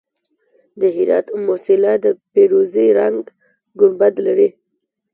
د هرات موسیلا د فیروزي رنګ ګنبد لري